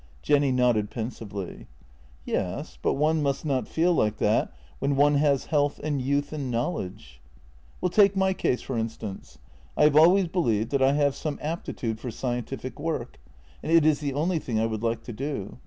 Jenny nodded pensively. " Yes, but one must not feel like that when one has health and youth and knowledge." " Well, take my case, for instance. I have always believed that I have some aptitude for scientific work, and it is the only thing I would like to do.